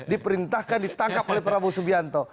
diperintahkan ditangkap oleh prabowo subianto